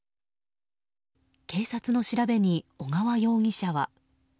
警察の調べに小河容疑者は。